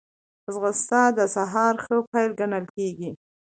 ځغاسته د سهار ښه پيل ګڼل کېږي